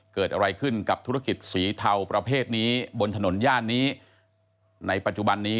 เกิดอะไรขึ้นกับธุรกิจสีเทาประเภทนี้บนถนนย่านนี้ในปัจจุบันนี้